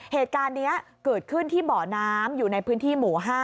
เหตุการณ์นี้เกิดขึ้นที่เบาะน้ำอยู่ในพื้นที่หมู่๕